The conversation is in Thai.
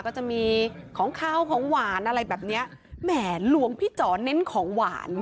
ก็จะมีของขาวของหวานอะไรแบบเนี้ยแหม่หลวงพี่จ๋อเน้นของหวาน